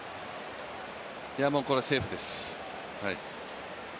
これはセーフです、はい。